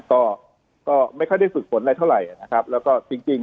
ก็ก็ไม่ค่อยได้ฝึกฝนอะไรเท่าไหร่นะครับแล้วก็จริงจริง